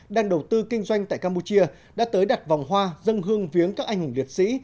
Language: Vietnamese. đang đầu tư kinh doanh tại campuchia đã tới đặt vòng hoa dân hương viếng các anh hùng liệt sĩ